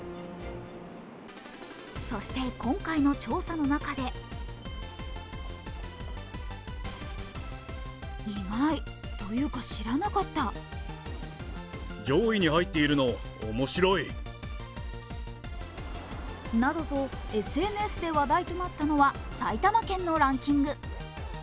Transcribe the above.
そして今回の調査の中でなどとＳＮＳで話題となったのは埼玉県のランキング。